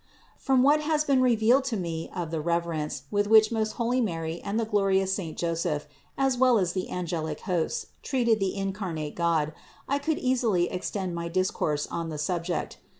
508. From what has been revealed to me of the rev erence, with which most holy Mary and the glorious saint Joseph as well as the angelic hosts treated the In carnate God, I could easily extend my discourse on the subject.